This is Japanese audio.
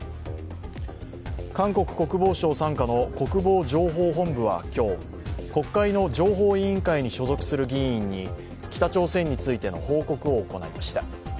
韓国国防省傘下の国防情報本部は今日、国会の情報委員会に所属する議員に北朝鮮についての報告を行いました。